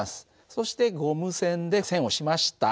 そしてゴム栓で栓をしました。